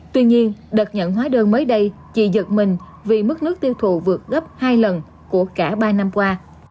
tuy nhiên đợt nhận hóa đơn mới đây chị giật mình vì mức nước tiêu thụ vượt gấp hai lần của cả ba năm qua